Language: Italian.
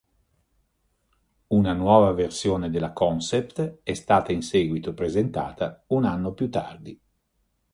Una nuova versione della concept è stata in seguito presentata un anno più tardi.